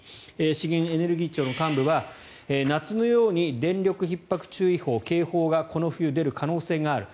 資源エネルギー庁の幹部は夏のように電力ひっ迫注意報警報がこの冬出る可能性がある。